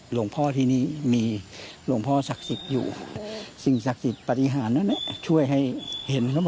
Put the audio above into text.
หลวงพ่อที่นี่มีหลวงพ่อศักดิ์สิทธิ์อยู่สิ่งศักดิ์สิทธิ์ปฏิหารนั้นช่วยให้เห็นแล้ว